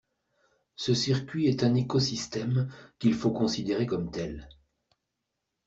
Ce circuit est un écosystème qu’il faut considérer comme tel.